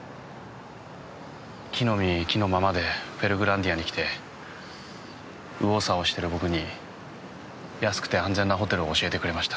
着の身着のままでペルグランディアに来て右往左往してる僕に安くて安全なホテルを教えてくれました。